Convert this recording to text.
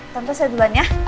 tante saya duluan ya